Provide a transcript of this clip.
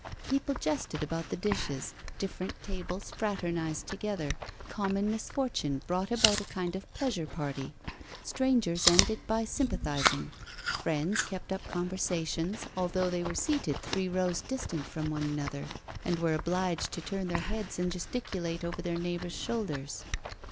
People jested about the dishes, different tables fraternised together, common misfortune brought about a kind of pleasure party. Strangers ended by sympathising; friends kept up conversations, although they were seated three rows distant from one another, and were obliged to turn their heads and gesticulate over their neighbours' shoulders.